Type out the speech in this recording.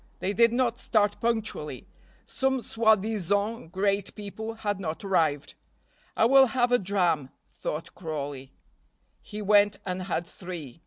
They did not start punctually, some soi disant great people had not arrived. "I will have a dram," thought Crawley; he went and had three.